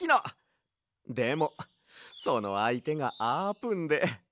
でもそのあいてがあーぷんで。